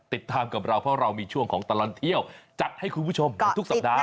ติดตามกับเราเพราะเรามีช่วงของตลอดเที่ยวจัดให้คุณผู้ชมในทุกสัปดาห